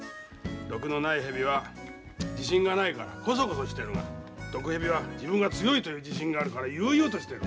毒のない蛇は自信がないからコソコソしてるが毒蛇は自分が強いという自信があるから悠々としてる。